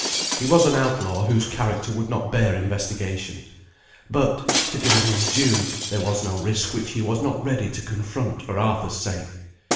He was an outlaw whose character would not bear investigation; but, to give him his due, there was no risk which he was not ready to confront for Arthur's sake.